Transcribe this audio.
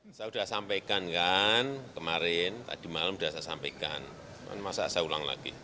saya sudah sampaikan kan kemarin tadi malam sudah saya sampaikan masa saya ulang lagi